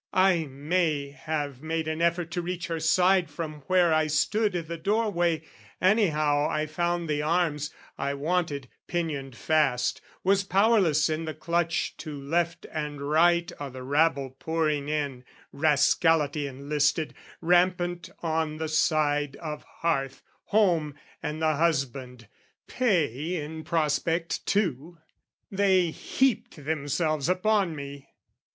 I may have made an effort to reach her side From where I stood i' the door way, anyhow I found the arms, I wanted, pinioned fast, Was powerless in the clutch to left and right O' the rabble pouring in, rascality Enlisted, rampant on the side of hearth, Home, and the husband, pay in prospect too! They heaped themselves upon me.